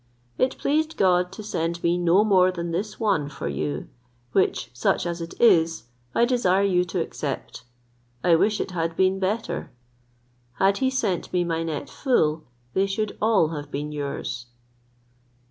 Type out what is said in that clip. It pleased God to send me no more than this one for you, which, such as it is, I desire you to accept. I wish it had been better. Had he sent me my net full, they should all have been yours."